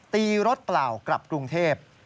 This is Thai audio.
ตีรถเปล่ากลับกรุงเทพ